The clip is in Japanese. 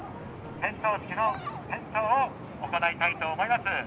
点灯式の点灯を行いたいと思います。